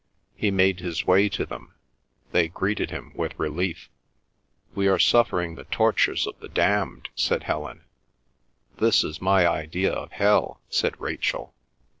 He made his way to them; they greeted him with relief. "We are suffering the tortures of the damned," said Helen. "This is my idea of hell," said Rachel.